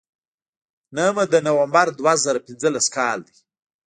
نهمه د نومبر دوه زره پینځلس کال دی.